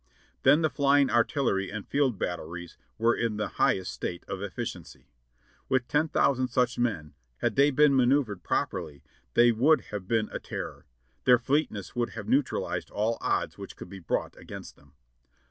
Then the flying artillery and field batteries were in the highest state of efificiency. With 10,000 such men, had they been manoeuvred properly, they would have been a terror; their fleetness would have neu tralized all odds which could be brought against them.